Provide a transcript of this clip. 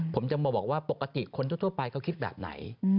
ผมจะมาบอกว่าปกติคนทั่วไปเขาคิดแบบไหน